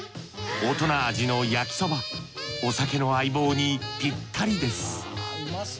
大人味の焼きそばお酒の相棒にピッタリです。